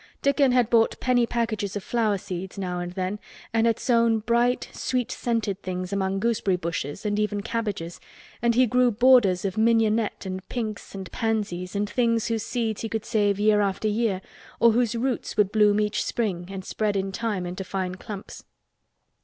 Dickon had bought penny packages of flower seeds now and then and sown bright sweet scented things among gooseberry bushes and even cabbages and he grew borders of mignonette and pinks and pansies and things whose seeds he could save year after year or whose roots would bloom each spring and spread in time into fine clumps.